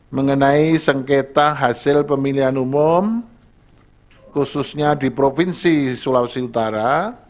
mengenai sengketa hasil pemilihan umum khususnya di provinsi sulawesi utara